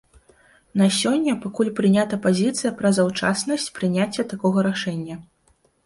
На сёння пакуль прынята пазіцыя пра заўчаснасць прыняцця такога рашэння.